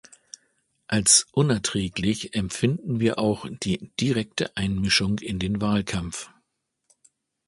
Als unerträglich empfinden wir auch die direkte Einmischung in den Wahlkampf.